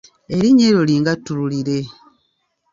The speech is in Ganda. Erinnya eryo lingattululire.